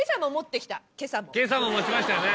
今朝も持ちましたよね。